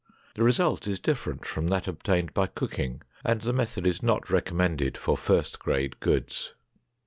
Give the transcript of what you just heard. The result is different from that obtained by cooking, and the method is not recommended for first grade goods.